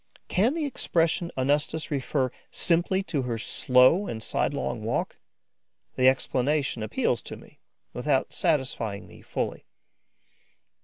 Can the expression onustus refer simply to her slow and sidelong walk? The explanation appeals to me, without satisfying me fully.